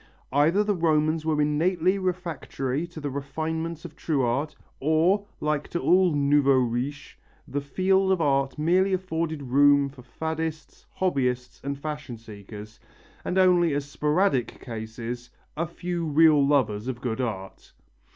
Either the Romans were innately refractory to the refinements of true art, or, like to all nouveaux riches, the field of art merely afforded room for faddists, hobbyists and fashion seekers, and, only as sporadic cases, a few real lovers of good art.